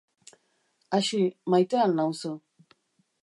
Axi, maite al nauzu?.